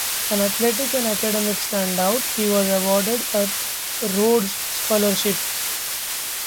An athletic and academic stand-out, he was awarded a Rhodes Scholarship.